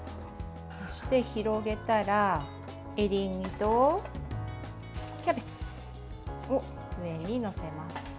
そして広げたら、エリンギとキャベツを上に載せます。